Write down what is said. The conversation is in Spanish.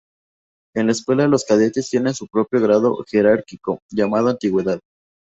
En la escuela, los cadetes tienen su propio grado jerárquico, llamado antigüedad.